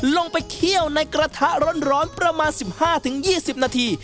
เคี่ยวในกระทะร้อนประมาณ๑๕๒๐นาที